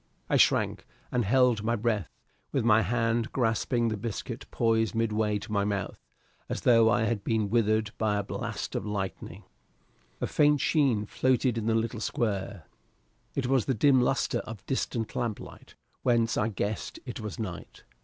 I shrank and held my breath, with my hand grasping the biscuit poised midway to my mouth, as though I had been withered by a blast of lightning. A faint sheen floated in the little square. It was the dim lustre of distant lamplight, whence I guessed it was night.